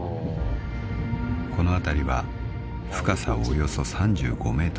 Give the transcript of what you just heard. ［この辺りは深さおよそ３５ｍ］